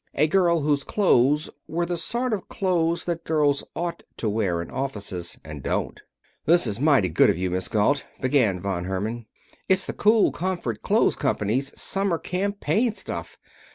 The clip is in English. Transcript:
A girl whose clothes were the sort of clothes that girls ought to wear in offices, and don't. "This is mighty good of you, Miss Galt," began Von Herman. "It's the Kool Komfort Klothes Company's summer campaign stuff.